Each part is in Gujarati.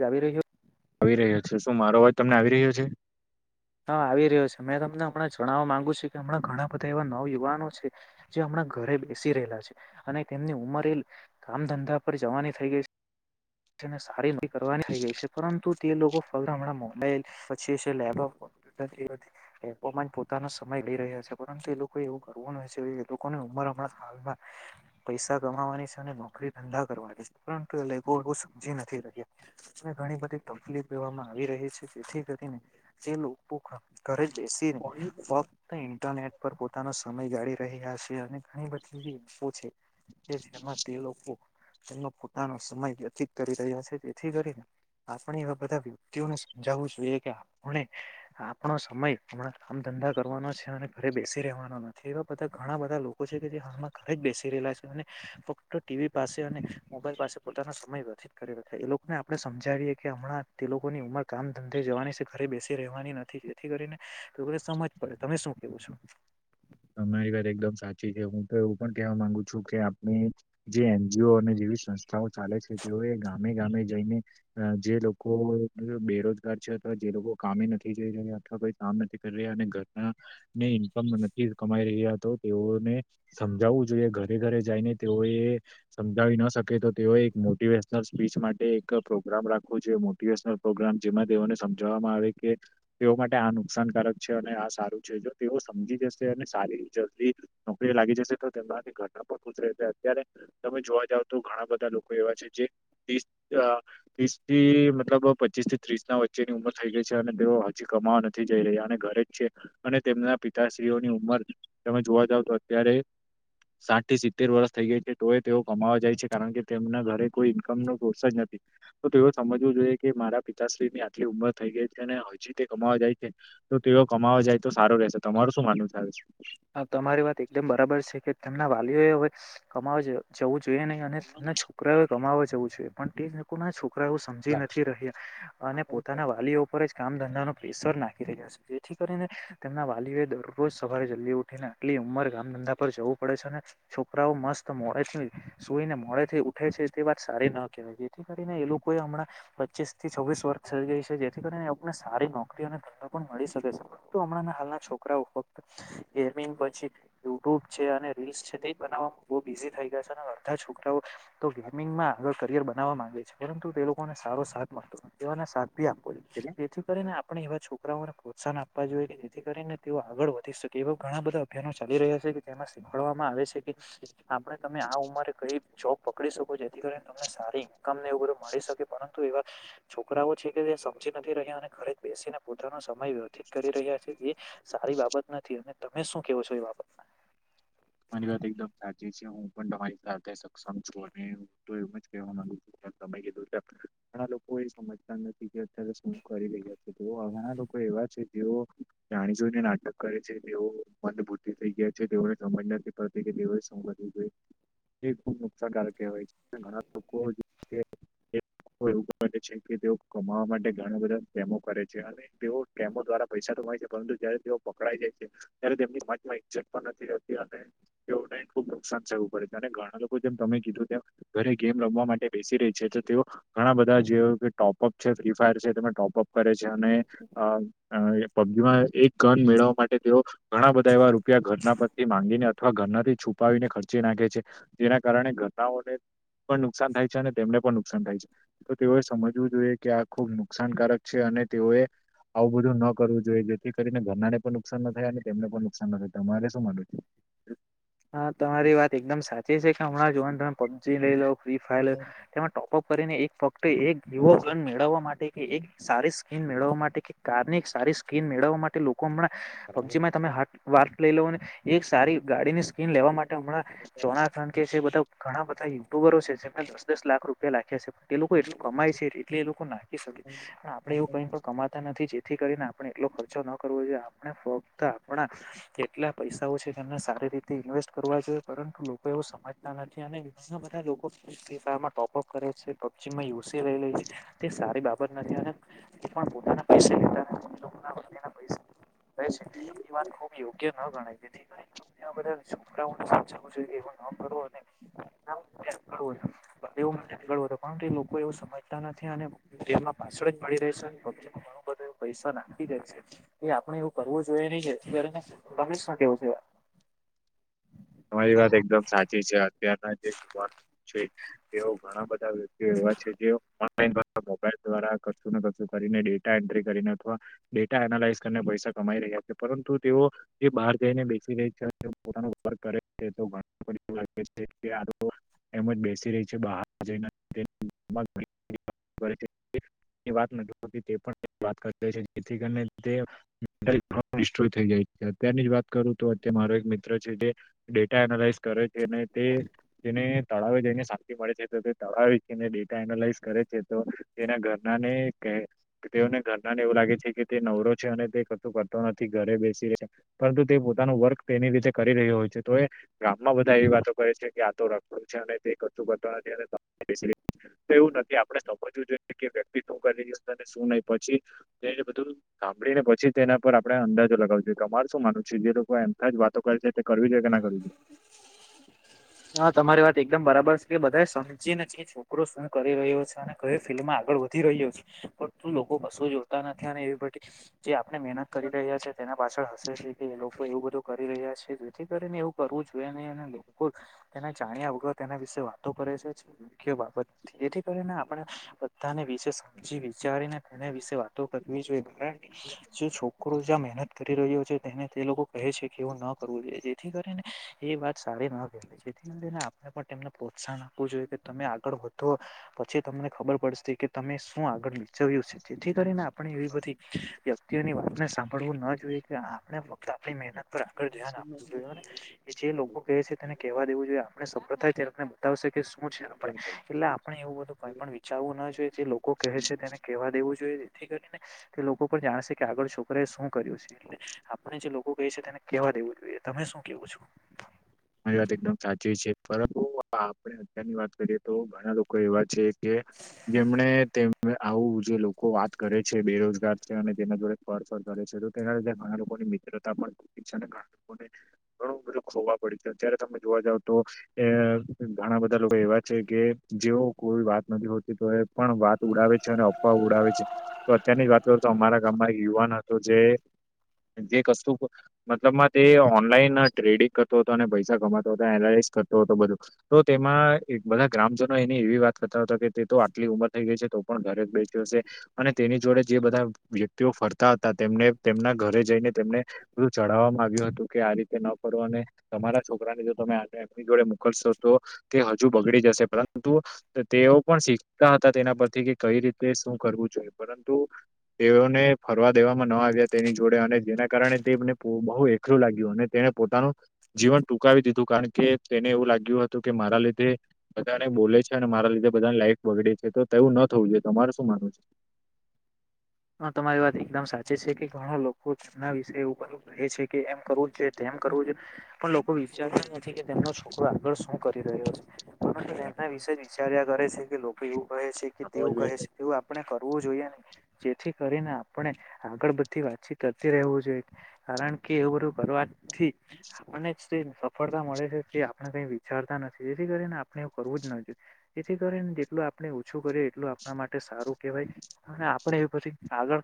જાવી રહ્યો. આવી રહ્યો છે, શું મારો અવાજ તમને આવી રહ્યો છે.? હા, આવી રહ્યો છે. મેં તમને હમણાં જણાવવા માંગુ છું કે, હમણાં ઘણા બધા એવા નવ યુવાનો છે, જે હમણાં ઘરે બેસી રહેલા છે અને તેમની ઉંમર, એ કામ-ધંધા પર જવાની થઈ ગઈ છે. તેને સારી ન કરવાની થઈ ગઈ છે, પરંતુ તે લોકો હમણાં મોબાઈલ પછી છે, લેપટોપ પોતાનો સમય લઈ રહ્યા છે, પરંતુ એ લોકો એવું કરવું ન જોઈએ. એ લોકોને તો પણ હમણાં પૈસા કમાવાની છે અને નોકરી-ધંધા કરવાની છે, પરંતુ એ લોકો જી નથી રહ્યા અને ઘણી બધી તકલીફ દેવામાં આવી રહી છે, જેથી કરીને તે લોકો કો ઘરે બેસીને ફક્ત ઇંટરનેટ પર પોતાનો સમય ગાળી રહ્યા છે, અને ઘણી બધી ઇન્ફો છે, કે જેમાં તે લોકો એનો પોતાનો સમય વ્યતીત કરી રહ્યા છે, જેથી કરીને આપણે એવા બધા વ્યક્તિઓને સમજાવવું જોઈએ કે, આપણે આપણો સમય હમણાં કામ-ધંધા કરવાનો છે અને ઘરે બેસી રહેેવાનો નથી. એવા બધા ઘણા બધા લોકો છે. જે હાલમાં ઘરે જ બેસી રહેલા છે, અને ફક્ત ટીવી પાસે અને મોબાઈલ પાસે પોતાનો સમય વધી કરે એ લોકને આપડે સમજાવીએ કે, હમણાં તે લોકોની ઉંમર કામ-ધંધે જવાની છે, ઘરે બેસી રહેવાની નથી. થી જેથી કરીનેન એ લોકો ને સમજ પડે, તમે શું કેવો છો. તમારી વાત એકદમ સાચી છે, હું તો એવું પણ કેવા માંગુ છું, કે આપણી જે એન. જી. ઓ. અને સંસ્થાઓ ચાલે છે, તેઓ એ ગામે ગામે જઈને જે લોકો બેરોજગાર છે. જે લોકો કામે નથી જઈ રહ્યા, અથવા કામ નથી કરી રહ્યા, અને ઘરના ને ઈનકમ કમાઈ રહ્યા હતો તેઓને સમજાવવું જોઈએ ઘરે ઘરે જઈને તેઓ એ સમજાવી ન શકે તો તેઓ એક મોટિવેશનલ સ્પીચ માટે એક પ્રોગ્રામ રાખવો જો મોટિવેશનલ પ્રોગ્રામ જેમાં તે તેઓને સમજાવવામાં આવે કે, તેઓ માટે આ નુકસાનકારક છે, અને આ સારું છે, જો તેઓ સમજી જશે. છે અને સારી જલ્દી નોકરી લાગી જશે, તો તેમનાથી ઘર ના પણ ખુશ રહે છે. અત્યારે તમે જોવા જાવ. બધું ઘણા બધા લોકો એવા છે, જે તીસ ત્રીસ થી, મતલબ પચીસ થી ત્રીસ ના વ વચ્ચેની ઉંમર થઈ ગઈ છે, અને તેઓ હજી કમાવા નથી જઈ રહ્યા, અને ઘરે જ છે, અને તેમના પિતા સ્ત્રીઓની ઉંમર, તમે જોવા જાવ તો, અત્યારે સાત થી સિત્તેર વર્ષ થઈ ગઈ છે, તો એ તેઓ કમાવા જાય છે, કારણ કે તેમના ઘરે કોઈ ઈન્કમ નો સોર્સ જ નથી. તો તો એ સમજવું જોઈએ કે, મારા પિતાશ્રી ની આટલી ઉંમર થઈ ગઈ છે અને હજી તે કમાવા જાય છે.. તો તે કમાવા જાય, તો સારુ રહેશે. તમારુ શું માનવું છે આ વિશે? હા, તમારી વાત એકદમ બરાબર છે કે તેમના વાલીઓ એ હવે કમાવા જ જવું જોઈએ નહીં, અને તના છોકરાઓએ કમાવા જવું જોઈએ, પણ તે લોકો ના છોકરા છોકરાઓ સમજી નથી રહ્યા અને પોતાના વાલીઓ ઉપર જ કામ-ધંધા નો પ્રેસર નાખી રહ્યા છે, જેથી કરીને તેમના વાલીઓ એ દરરોજ સવારે જલ્દી ઉ આટલી ઉંમર એ કામ-ધંધા પર જવું પડે છે અને છોકરાઓ મસ્ત મોડેથી સુઈને મોડેથી ઉઠે છે, તે વાત સારી ન કેવાય. જેથી કરીને એ લોકો એ હમણાં પચીસ થી છવ્વીસ વર્ષ થઈ ગઈ છે, જેથી અને સારી નોકરી અને ધંધો પણ મળી શકે છે, પરંતુ હમણાંના હાલના છોકરાઓ ફક્ત ગેમિંગ પછી યુટ્યુબ છે અને રીલ્સ છે, તે બનાવવામાં બહુ બિઝી થઈ ગયા છે, અને અડધા છોકરાઓ તો તો ગેમિંગમાં આગળ કરિયર બનાવવા માંગે છે, પરંતુ તે લોકોને સારો સાથ મળતો નથી. તેઓ ને સાથ ભી અપાવો જોઈએ, કેટલા? જેથી કરીને આપણે એવા છોકરાઓને પ્રોત્સાહન આપ આપવા જોઈએ, કે જેથી કરીને તેઓ આગળ વધી શકે એવા ઘણા બધા અભિયાનો ચાલી રહ્યા છે, કે જેમાં શીખવાડવામાં આવે છે કે આપણે તમે આ ઉંમરે કઈ જોબ પકડી શકો, જેથી કરી તમને સારી ઈન્કમ ને બધું મળી શકે. પરંતુ એવા છોકરાઓ છે કે સમજી નથી રહ્યા અને ઘરે બેસીને પોતાનો સમય સમય વ્યવથિત કરી રહ્યા છે, એ સારી બાબત નથી. અને તમે શું કેવો છો એ બાબતમાં. તમારી વાત એકદમ સાચી છે. હું પણ તમારી સાથે સક્ષમ છું, અને હું તો એવુ જ કેવા માંગુ. તમે કીધું કે ઘણા લોકો એ સમજતા નથી કે અત્યારે શું કરી રહ્યા છે. તેઓ ઘણા લોકોએ એવા છે, જેઓ જાણી જોઈને નાટક કરે છે. તેઓ મનબુદ્ધિ થઈ ગયા છે, તેઓને. ખબર નથી પડતી કે તેઓએ શું કરવું જોઈએ. એ ખુબ નુકસાનકારક કહેવાય છે. ઘણા લોકો [inaudible] [unintelligible] છે કે તેઓ કમાવા માટે ઘણા બધા ડેમો કરે છે, અને તેઓ ડેમો દ્વારા પૈસા કમાય છે. પરંતુ જયારે તેઓ પકડાઈ જાય છે, ત્યારે તેમની કોલેજમાં ઈજ્જત પણ નથી રહેતી, અને તેઓને ખૂબ નુકસાન થવું પડે છે, અને ઘણા લોકો જેમ તમે કીધું તેમ ઘરે ગેમ રમવા માટે બેસી રહી છે, તો તેઓ ઘણા બધા જેઓ ટોપઅપ છે ફ્રી ફાયર છે. તેમાં ટોપઅપ કરે છે. જ અને અ અ એ પબજીમાં એક ઘન મેળવવા માટે તેઓ ઘણા બધા એવા રૂપિયા ઘરના ને અથવા ઘરનાથી છુપાવીને ખર્ચી નાખે છે. જેના કારણે ઘરનાઓને પણ નુકસાન થાય છે. અને તેમને પણ નુકસાન થાય છે. તો તેઓએ સમજવું જોઈએ. કે આ ખુબ નુકસાનકારક છે. અને તેઓએ આવું બધું ન કરવું જોઈએ. જેથી કરીને ઘરનાને પણ નુકસાન ના થાય અને તેમને પણ નુકસાન ન થાય તમારે શું માનવું છે હા તમારી વાત એકદમ સાચી છે. કે હમણાં જોવાને તમે પબજી લઈ લો ફ્રી ફાયર તેમાં ટોપઅપ કરીને એક ફક્ત એક રીવો ગન મેળવવા માટે એક સારી સ્કીમ મેળવવા માટે કે કારની એક સારી સ્કીમ મેળવવા માટે [unintelligible] પબજીમાં તમે હાટ વાત લઈ લોને એક સારી ગાડીની સ્કીમ લેવા માટે હમણાં ચોના કારણ કે છે. બધા ઘણા બધા યુટ્યુબરો છે. જેમને દસ દસ લાખ રૂપિયા લખ્યા છે એ લોકો એટલું કમાય છે. એટલે એ લોકો નાખી શકે પણ આપડે એવું કઈ પણ કમાતા નથી જે થી કરીને આપણે એટલો ખર્ચો ન કરવો જોઈએ. આપણે ફક્ત આપણા કેટલા પૈસાઓ છે, તેમને સારી રીતે થી ઇન્વેસ્ટ કરવા જોઈએ. પરંતુ લોકો એવું સમજતા નથી, અને ઘણા બધા લોકો આમાં ટોપઅપ કરે પબજી માં યુસી લેઇ લે છે. તે સારી બાબત નથી, અને પણ પોતાના પૈસે લેતા ના પૈસા છે, એ વાત ખુબ યોગ્ય ન ગણાય. તેથી કરીને એવા બધા ને [unintelligible] [unintelligible] એ લોકો એવું સમજતા નથી અને તેમના પાસળ જ પડી રહે છે. પબજી ઘણું બધું પૈસા નાખી દે છે. એ આપડણે એવું કરવું જોઈએ નહી. જેથી કરી ને તમે શુ કેવું છે? [inaudible] તમારી વાત એકદમ સાચી છે. અત્યારના જે યુવાનો છે. તેઓ ઘણા બધા એવા છે. જે [inaudible] મોબાઈલ દ્વારા કશું ને કશું કરીને ડેટા એન્ટ્રી કરીને અથવા ડેટા એનાલાઈસ કરીને પૈસા રમાઈ રહ્યા છે. પરંતુ તેઓ જે બહાર જઈને બેસી રહ્યા છે. અને પોતાનું [unintelligible] કરે છે. તો [inaudible] એવુ લાગે છે. કે આ એમ જ બેસી રહી છે. બહાર જઈને [inaudible] વાત [inaudible] જેથી કરીને તે [inaudible] ડિસ્ટરોય થઈ જાય અત્યારની જ વાત કરું તો અત્યાંરે મારો એક મિત્ર છે. જે ડેટા એનાલાઈસ કરે છે. અને તે જેને તળાવે જઈને શાંતિ મળે છે. તો તે તળાવને ડેટા એનાલાઈઝ કરે છે. તો તેના ઘરના ને તેઓને ઘરના ને એવું લાગે છે. કે તે નવરો છે. અને તે કશું કરતો નથી. ઘરે બેસી રહે પરંતુ તે પોતાનું વર્ક તેની રીતે કરી રહ તો એ ગામમાં બધા એવી વાતો કરે છે. કે આ તો રખડું છે. અને તે કશું કરતા નથી. અને [inaudible] બેસી રહે છે તો એવું નથી આપણે સમજવું જોઈએ કે વક્તિ શું કરી રહ્યો છે ને શું નહી પછી તેને બધું સાંભળી ને પછી તેના પર આપણે બધો અંદાજો લગાવો જોઈએ. તમારે શું માનવું છે? જે લોકો એમતા જ વાતો કરે છે? કરવી જોઈએ કે ના કરવી જોઈએ? હા તમારી વાત એકદમ બરાબર છે. કે બધા સમજી ને કે છોકરો શું કરી રહ્યો છે. અને કયો ફિલ્ડ માં આગળ વધી રહ્યો છે. પણ તું લોકો કશો જોતા નથી અને એવી બધી જે મહેનત કરી રહ્યા છે. તેના પાછળ હશે છે. કે એ લોકો એવું બધું કરી રહ્યા છે. જેથી કરીને એવું કરવું જોઈએ નઈ અને લોકો તેને જાણ્યા વગર તેના વિશે વાતો કરે છે. બાબત જેથી કરીને આપણે બધાને સમજી વિચારીને તેના વિશે વાતો કરવી જોઈએ. જે છોકરો જ્યાં મહેનત કરી રહ્યો છે. તેને તે લોકો કહે છે કે એવુ ન કરવું જોઈએ. જેથી કરીને એ વાત સારી ના કે જેથી કરીને આપણે પણ તેમને પ્રોત્સાહન આપવું જોઈએ. કે તમે આગળ વધો પછી તમને ખબર પડશે કે તમે શું હું આગળ વિચવ્યું છે. જેથી કરીને આપણે એવી બધી વ્યતિ અત્યની વાતને સાંભળવું ન જોઈએ. કે આપણે ફક્ત આપણી મહેનત પર આગળ ધ્યાન આપ જોને જે લોકો કહે છે તેને કેહવા દેવું જોઈએ આપણે સફળ થાય ત્યારે આપને બતાવશે કે શું છે આપણે તમારી એટલે આપણે એવું બધું કઈ પણ વિચારવું ના જોઈએ જે લોકો કહે છે તેને કેહેવા દેવું જોઈએ. તેથી કરીને તે લોકો પણ જાણશે કે આગળ છોકરાએ શું કર્યું છે એટલે આપણે જે લોકો કહે છે તેને કેવા દેવું જોઈએ. તમે શું કેવો છો? મારી વાત એકદમ સાચી છે પરંતુ હા આપણે અત્યારની વાત કરીએ તો ઘણા લોકો એવા છે કે જેમણે તેમ આવું જે લોકો વાત કરે છે બેરોજગાર છે અને તેના જોડે ફર ફર કરે છે. તેના લીધે ઘણા લોકોની મિત્રતા પણ ખ છે અને ઘણા લોકોને ઘણું બધું ખો અત્યારે તમે જોવા જાવ તો ઘણા બધા લોકો એવા છે કે જેઓ કોઈ વાત નથી હોતી તો એ પણ વાત ઉડાવે છે અને અફવા ઉડાવે છે તો અત્યારની જ વાત કરું તો અમારા ગામ યુવાન હતો જે જે કશુ મતલબ માં તે ઓનલાઈન ટ્રેડિંગ કર હતો અને પૈસા કમાતો હતો એનાલીસ કરતો હતો બધું તો તેમાં બધા ગ્રામજનો એની એવી વાત કર [unintelligible] તો આટલી ઉંમર થઈ ગઈ છે તો પણ ઘરે જ બેસી હશે અને તેની જોડે જે બધા વ્યક્તિઓ ફરતા કરતા હતા તેમને તેમના ઘરે જઈને તેમને બધું જણાવવામાં આવ્યું હતું કે આ રીતે ન કરો અને તમારા છોકરાને જો તમે આ એમની જોડે મોકલશો તો તે હજુ બગડી જશે પરંતુ તે તેઓ પણ શીખતા હતા તેના પરથી કે કઈ રીતે શું કરવું જોઈએ પરંતુ તેઓને ફ કરવા દેવામાં ન આવ્યા તેની જોડે અને જેના કારણે તેને બહુ એકલું લાગ્યું અને તેને પોતાનું જીવન ટૂંકાવી દીધું કારણ કે તેને એવું લાગ્યું હતું કે મારા લીધે બધાને બોલે છે અને મારા બધા લાઈફ બગડે છે તો તેવું ન થવું જોઈએ તમાર શું માનવું છે? [inaudible] હ તમારી વાત એકદમ સાચે છે કે ઘણા લોકોના વિષે એવું રહે છે કે એમ કરવું જોઈએ તેમ કરવું જોઈ પણ લોકો વિચારતા જ નથી કે તેમનો છોકરો આગળ શું કરી રહ્યો હ છે? પરંતુ એના વિશે જ વિચાર્યા કરે છે કે લોકો એવું કહે છે કે તેવું કહે છે તમારી તેવું આપણે કર બુ જોઈએ ને. જેથી કરીને આપણે આગળ બધી વાતચીત કરતી રહેવું જોઈએ કારણ કે એવું બધું કરવા થી આપણે ને સફળતા મળે છે તે આપણે કઈ વિચારતા નથી જેથી કરીને આપણે એવું કરવું જેથી કરીને જેટલું આપણે ઓછું કરીએ એટલું આપણા માટે સારું કેહેવાય અને પણ એવી પછી આગળ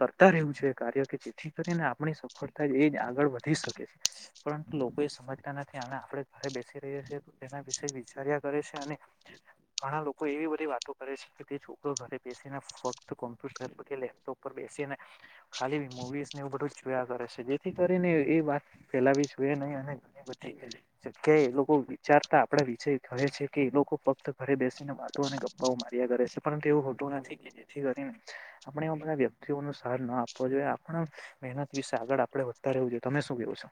કરતા રહ્યું છે કાર્ય કે જેથી કરીને આપણી સફળતા એ જ આગળ વધી શકે છે પરુ લોકો એ સમજતા નથી આપણે ઘરે બેસી રહ્યા છીએ તેના વિશે વિચાર્યા કરે છે અને ઘણા લોકો એવી બધી વાતો કરે છે કે તે છોકરો ઘરે બેસીને ફ કોમ્પ્યુટર કે લેપટોપ પર બેસીને ખાલી મુવીઝને એવું બધું જોયા કરે છે જેથી કરીને એ વાત ફેલાવી જોઈએ નહી અને ઘણી બધી જગ્યાએ એ લોકો વિચારતા આપણે વિષય કહે છે કે એ લોકો ફક્ત ઘરે બેસીને વાતો અને ગપ્પાઓ માર્યા કરે છે પરંતુ એવું હોતું નથી. જેથી કરીને આપણે એ બધા વ્યક્તિઓ ન સાર ન આપવો જોઈએ આપણા મહેનત વિશે આગળ આપણે વધ વું જોઈ તમે શું કેવું છો?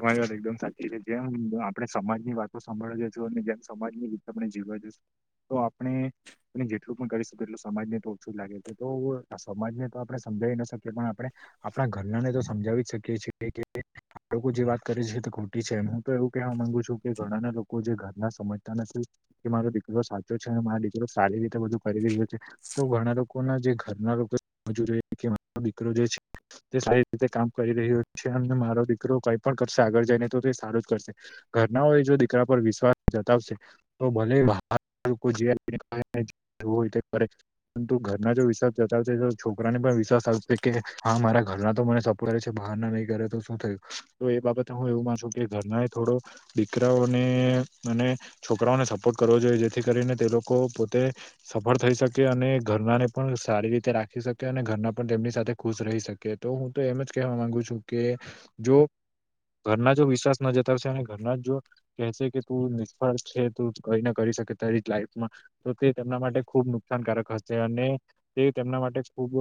વાય વાત એકદમ સાચી છે જેમ આપણે સમાજની વાતો સાભળી જશું અને જેમ સમાજની રીત આપણે જીવવા જશું તો આપણે પણ કરી શ એટ સમાજને તો ઓછું લાગે છે તો સમાજને તો આપણે સમજાવી ના શકીએ પણ આપણે આપણા ઘરના ને તો સમજાવી શકીએ છીએ કે લોકો જે વાત કરે છે ખોટી છે હું તો એવું કહેવા માંગુ છું કે ઘણાના લોકો જે ઘરના સમજતા નથી. કે મારો દીકરો સાચો છે અને મારો દીકરો સારી રીતે બધું કરી રહ્યો છે તો ઘણા લોકો ના જે ઘરના લોકો મજુરી કે દીકરો જે છે તે સારી રીતે કામ કરી રહ્યો છે અને મારો દીકરો કઈ પણ કરશે આગળ જઈને તો તે સારું જ કરશે ઘરનાઓ જો દીકરા પર વિશ્વાસ જતાવશે તો ભલે [unintelligible] છોકરાને પણ વિશ્વાસ આવશે કે હા મારા ઘરના તો મને સપો કરે છે બહાર ના નહીં કરે તો શું થયું? તો એ બાબતે હું એવું માનું છુ કે ઘરના એ થોડો દીકરાઓને અને છોકરાઓને સપોર્ટ કરવો જોઈએ જેથી કરીને તે લોકો પોતે સફળ થઈ શકે અને ઘરના ને પણ સારી રીતે રાખી સકે અને ઘરના પણ તેમની સાથે ખુશ રહી શકે તો હું તો એમ જ કવા માંગુ છું કે જો [inaudible] ઘરના જો વિશ્વાસ ન જતાવશે અને ઘરના જ જો કહેશે કે તું નિષ્ફળ છે તું કઈને કરી શકે તારી લાઈફમાં તો તે તેમના માટે ખૂબ નુકસાનકારક હશે અને તેમના માટે ખુબ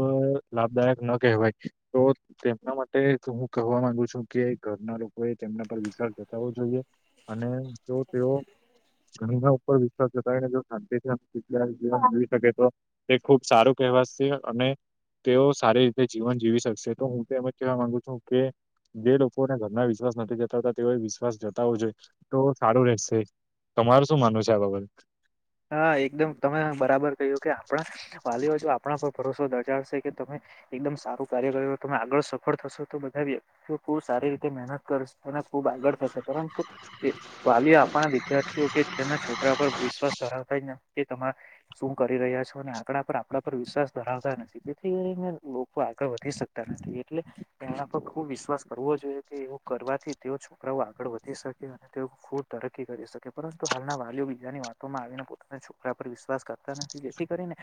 લાભદાયક ન કહેવાય તો તેમના માટે હું કહેવા માંગુ છું કે ઘરના લોકોએ તેમના પર વિશ્વાસ જતાવવો જોઈએ અને તો તેઓ ઘણીના ઉપર વિશ્વાસ એના કારણે જો શાંતિથી આમ જીવન જીવી શકે તો તે ખુબ સારું કહેવાશે અને તેઓ સારી રીતે જીવન જીવી શકશે તો હું તો એમ જ કેવા માંગુ છું કે જે લોકો લોકોને ઘરમાં વિશ્વાસ નથી જતાવતા તેઓ વિશ્વાસ જતાવવુ જોઈએ તો સારું રહેશે. તમારું શું માનવું છે આ બાબતે? હા એકદમ તમે બરાબર કહ્યું કે આપણા વાલીઓ જો આપણા પર ભરોસો દજાડશે કે તમે એકદમ સારું કાર્ય કરયુ તમે આગળ સફળ થશો તો બધા વ્યક્તિઓ ખૂબ સારી રીતે મહેનત કરશે અને ખૂબ આગળ થશે પરંતુ વાલી આપણા વિદ્યાર્થીઓ કે તેના છોકરા પર વિશ ધરાવતા જ ન તેથી કે તમે શું કરી રહ્યા છો અને આપણા પર આપણા પર વિશ્વાસ ધરાવતા જ નથી તેથી કરીને લોકો ગળ વધી શકતા નથી એટલે તેના પર ખુબ વિશ્વાસ કરવો જોઈએ કે એવું કરવાથી તેઓ છોકરાઓ આગળ વધી શકે અને તેઓ ખૂબ તરક્કી કરી શકે પરંતુ હાલના વાલીઓ બીજાની વાત તોમા આવીને પોતાના છોકરા પર વિશ્વાસ કરતા નથી જેથી કરીને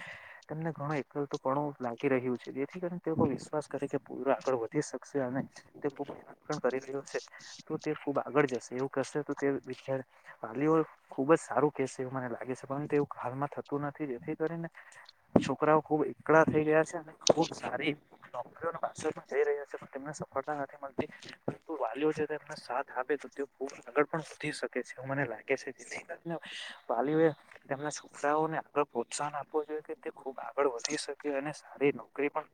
તેમને ઘણો એકલતુપણુ લાગી રહ્ યુ છે જેથી કરીને તે લોકો વિશ્વાસ કરે કે પોયરો આગળ વધી શકશે અને તે ખૂબ [unintelligible] પણ કરી રહ્યો છે. તો તે ખુબ આગળ જશે એવું કરશે તો તે વિ વાલીઓ ખુબ સારું કેહશે એવું મને લાગે છે પરંતુ એવું હાલમાં થતું નથી જેથી કરીને છોકરાઓ ખુબ એકળા થઈ ગયા રહયા છે ને ખૂબ સારી નોકરીઓની પાછળ પણ જઈ રહયા છે પણ તેમને સફળતા નથી મળતી. વાલીઓ છે તમને સાથ આપે તો તેઓ ખૂબ આગળ પણ વધી શકે છે એવું મને લાગે છે. વાલીઓએ તેમના છોકરાઓને આગળ પ્રોત્સાહન આપવો જોઈએ કે તે ખુબ આગળ વધી શકે અ અને સારી નોકરી પણ